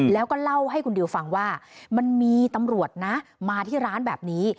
แล้วก็เล่าให้คุณดิวฟังว่ามันมีตำรวจนะมาที่ร้านแบบนี้